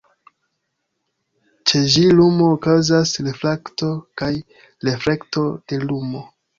Ĉe ĝi lumo okazas refrakto kaj reflekto de lumo.